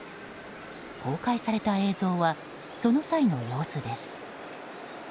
公開された映像はその際の様子です。